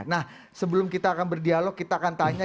nah sebelum kita akan berdialog kita akan tanya